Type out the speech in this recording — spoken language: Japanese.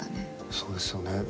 そうですよね。